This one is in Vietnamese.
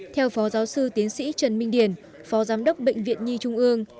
theo phó giáo sư tiến sĩ trần minh điền phó giám đốc bệnh viện nhi trung ương